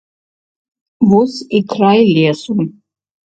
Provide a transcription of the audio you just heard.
Вось і край лесу.